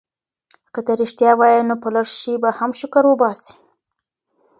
که ته ریښتیا وایې نو په لږ شي به هم شکر وباسې.